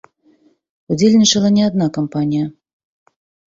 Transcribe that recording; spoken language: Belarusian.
Удзельнічала не адна кампанія.